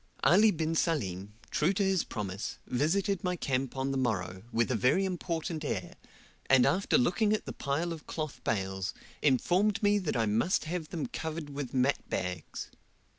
Ali bin Salim, true to his promise, visited my camp on the morrow, with a very important air, and after looking at the pile of cloth bales, informed me that I must have them covered with mat bags.